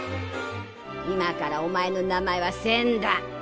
今からお前の名前は千だ！